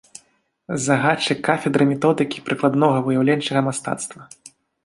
Загадчык кафедры методыкі прыкладнога выяўленчага мастацтва.